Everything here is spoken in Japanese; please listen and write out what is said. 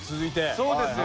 そうですよ。